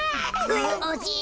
おじい。